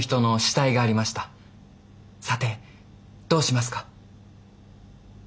さてどうしますか？